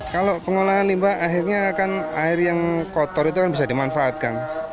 kalau pengolahan limba akhirnya kan air yang kotor itu kan bisa dimanfaatkan